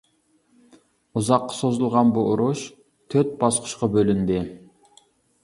ئۇزاققا سوزۇلغان بۇ ئۇرۇش تۆت باسقۇچقا بۆلۈندى.